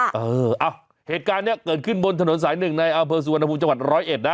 เออเอาเหตุการณ์นี้เกิดขึ้นบนถนนสายหนึ่งในอำเภอสุวรรณภูมิจังหวัดร้อยเอ็ดนะ